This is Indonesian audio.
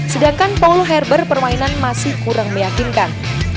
sedangkan paul herber permainan masih kurang meyakinkan